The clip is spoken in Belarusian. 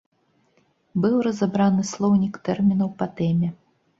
Быў разабраны слоўнік тэрмінаў па тэме.